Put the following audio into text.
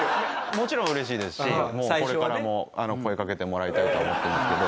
もちろん嬉しいですしこれからも声かけてもらいたいと思ってるんですけど。